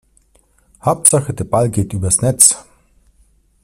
Hauptsache der Ball geht übers Netz.